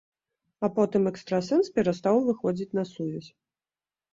А потым экстрасэнс перастаў выходзіць на сувязь.